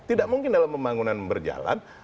tidak mungkin dalam pembangunan berjalan